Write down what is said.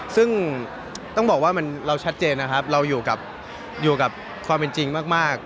ซึ่งต้องบอกว่าเราชัดเจนนะครับเราอยู่กับความเป็นจริงมาก